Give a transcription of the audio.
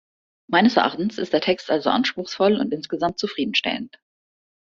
Meines Erachtens ist der Text also anspruchsvoll und insgesamt zufriedenstellend.